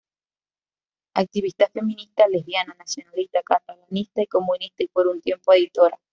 Activista feminista, lesbiana, nacionalista catalanista y comunista y por un tiempo, editora.